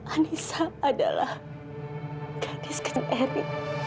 anissa adalah gadis kecil eri